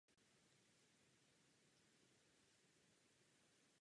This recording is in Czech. Mohli jsme tato opatření přijmout před rokem?